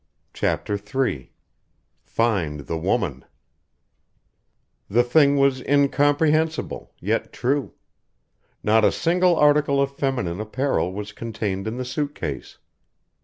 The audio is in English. CHAPTER III "FIND THE WOMAN" The thing was incomprehensible, yet true. Not a single article of feminine apparel was contained in the suit case.